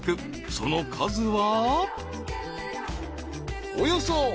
［その数は］